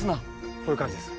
こういう感じです。